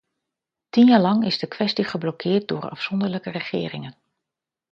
Tien jaar lang is de kwestie geblokkeerd door afzonderlijke regeringen.